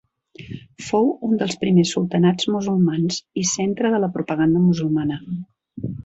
Fou un dels primers sultanats musulmans i centre de la propaganda musulmana.